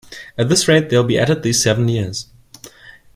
At this rate they'll be at it these seven years.